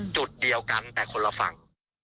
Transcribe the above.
จุดเดียวกันแต่คนละฝั่ง